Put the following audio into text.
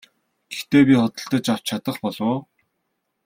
Гэхдээ би худалдаж авч чадах болов уу?